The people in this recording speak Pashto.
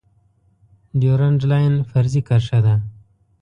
ډیورنډ لاین فرضي کرښه ده